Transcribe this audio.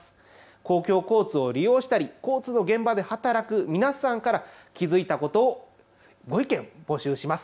公共交通を利用したり交通の現場で働く皆さんから気付いたこと、ご意見を募集します。